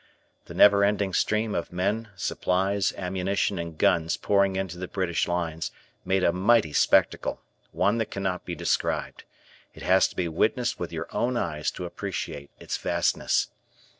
The never ending stream of men, supplies, ammunition, and guns pouring into the British lines made a mighty spectacle, one that cannot be described. It has to be witnessed with your own eyes to appreciate its vastness.